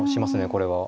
これは。